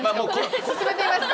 進めてみますか？